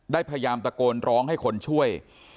พยายามตะโกนร้องให้คนช่วย